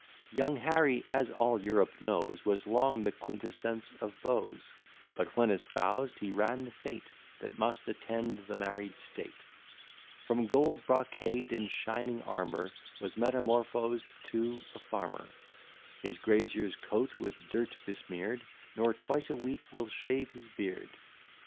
Young Harry, as all Europe knows, Was long the quintessence of beaux; But, when espoused, he ran the fate That must attend the married state; From gold brocade and shining armour, Was metamorphosed to a farmer; His grazier's coat with dirt besmear'd; Nor twice a week will shave his beard.